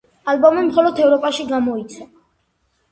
ალბომი მხოლოდ ევროპაში გამოიცა.